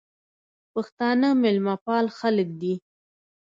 پښتانه مېلمپال خلک دي.